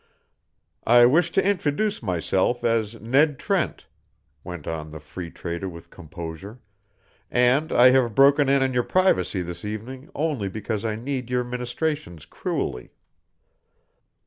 "I wish to introduce myself as Ned Trent," went on the Free Trader with composure, "and I have broken in on your privacy this evening only because I need your ministrations cruelly."